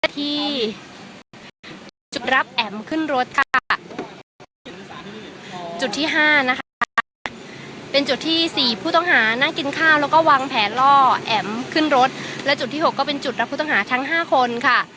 ที่จุดรับแอ๋มขึ้นรถค่ะจุดที่๕นะคะเป็นจุดที่๔ผู้ต้องหานั่งกินข้าวแล้วก็วางแผนล่อแอ๋มขึ้นรถและจุดที่๖ก็เป็นจุดรับผู้ต้องหาทั้ง๕คนค่ะ